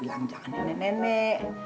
bilang jangan nenek nenek